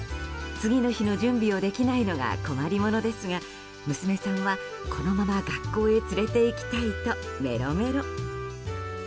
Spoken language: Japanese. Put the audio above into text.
次の日の準備をできないのが困りものですが娘さんはこのまま学校へ連れていきたいとメロメロ。